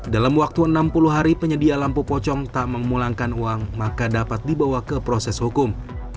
dalam waktu enam puluh hari penyedia lampu pocong tak memulangkan uang maka dapat dibawa ke proses hukum